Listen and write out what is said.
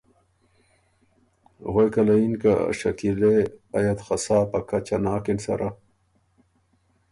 غوېکه له یِن که ”شکیلې ـــ ائ یه ت خه سا په کچه ناکِن سره“